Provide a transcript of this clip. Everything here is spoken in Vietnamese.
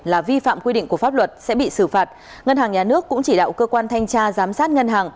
là vi phạm quy định của pháp luật sẽ bị xử phạt ngân hàng nhà nước cũng chỉ đạo cơ quan thanh tra giám sát ngân hàng